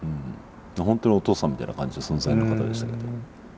本当にお父さんみたいな感じの存在の方でしたけど。